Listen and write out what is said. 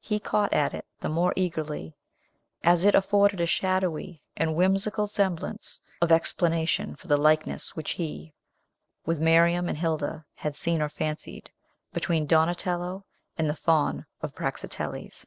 He caught at it the more eagerly, as it afforded a shadowy and whimsical semblance of explanation for the likeness which he, with Miriam and Hilda, had seen or fancied between Donatello and the Faun of Praxiteles.